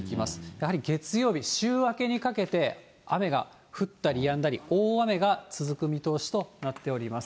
やはり月曜日、週明けにかけて雨が降ったりやんだり、大雨が続く見通しとなっております。